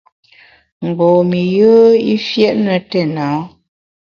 Mgbom-i yùe i fiét na téna.